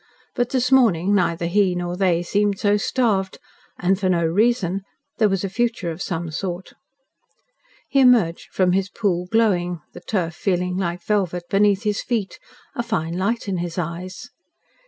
But this morning neither he nor they seemed so starved, and for no reason there was a future of some sort. He emerged from his pool glowing, the turf feeling like velvet beneath his feet, a fine light in his eyes.